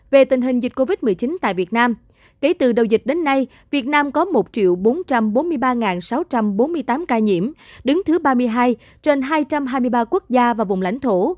về tình hình dịch covid một mươi chín tại việt nam kể từ đầu dịch đến nay việt nam có một bốn trăm bốn mươi ba sáu trăm bốn mươi tám ca nhiễm đứng thứ ba mươi hai trên hai trăm hai mươi ba quốc gia và vùng lãnh thổ